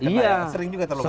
iya sering juga terluka